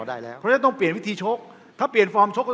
เพราะที่จะต้องเปลี่ยนวิธีชก